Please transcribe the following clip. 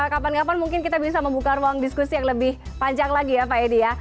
kapan kapan mungkin kita bisa membuka ruang diskusi yang lebih panjang lagi ya pak edi ya